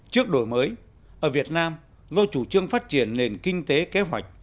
trước đổi mới ở việt nam do chủ trương phát triển nền kinh tế kế hoạch